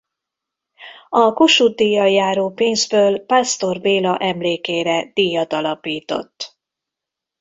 A Kossuth-díjjal járó pénzből Pásztor Béla emlékére díjat alapított.